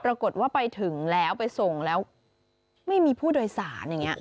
ปรากฏว่าไปถึงแล้วไปส่งแล้วไม่มีผู้โดยสารอย่างนี้